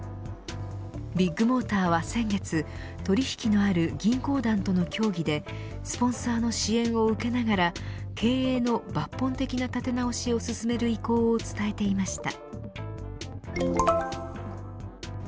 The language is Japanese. ビッグモーターは先月取引のある銀行団との協議でスポンサーの支援を受けながら経営の抜本的な建て直しを進める意向を伝えていました。